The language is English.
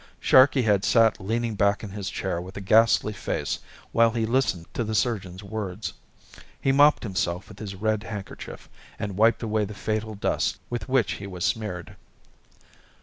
Sharkey had sat leaning back in his chair with a ghastly face while he listened to the surgeon's words. He mopped himself with his red handkerchief, and wiped away the fatal dust with which he was smeared.